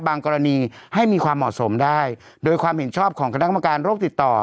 กรณีให้มีความเหมาะสมได้โดยความเห็นชอบของคณะกรรมการโรคติดต่อ